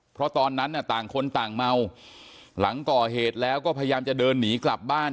เพราะตอนนั้นต่างคนต่างเมาหลังก่อเหตุแล้วก็พยายามจะเดินหนีกลับบ้าน